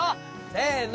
せの！